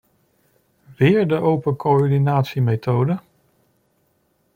Weer de open coördinatiemethode?